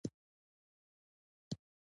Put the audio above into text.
• دروغ د خلکو ترمنځ بېاعتمادي پیدا کوي.